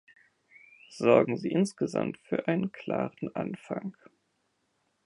Sorgen Sie insgesamt für einen klaren Anfang.